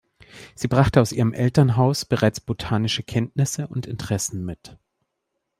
Sie brachte aus ihrem Elternhaus bereits botanische Kenntnisse und Interessen mit.